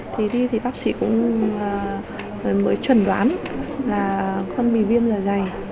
thì đi thì bác sĩ cũng mới chuẩn đoán là con bị viêm dạ dày